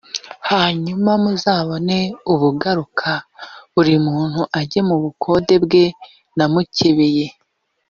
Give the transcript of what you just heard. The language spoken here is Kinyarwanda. hanyuma muzabone ubugaruka, buri muntu ajye mu bukonde bwe namukebeye.